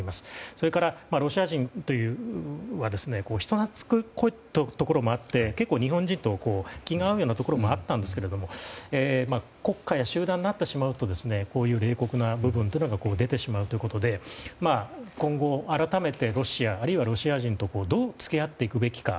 それから、ロシア人というのは人懐っこいところもあって結構、日本人とは気が合うようなところもあったんですが国家や集団になってしまうとこういう冷酷な部分が出てしまうということで今後、改めてロシアあるいはロシア人とどう付き合っていくべきか。